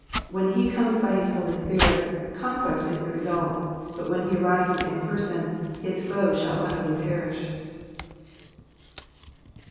When he comes by his Holy Spirit, conquest is the result ; but when he arises in person, his foes shall utterly perish.